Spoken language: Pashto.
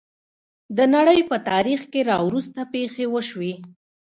د نړۍ په تاریخ کې راوروسته پېښې وشوې.